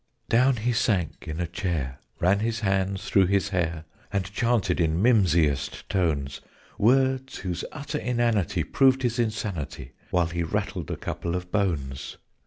Down he sank in a chair ran his hands through his hair And chanted in mimsiest tones Words whose utter inanity proved his insanity, While he rattled a couple of bones.